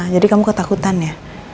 jadi kamu ketakutan ya